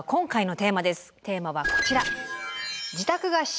テーマはこちら。